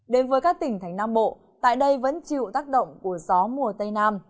đến với các tỉnh thành nam bộ tại đây vẫn chịu tác động của gió mùa tây nam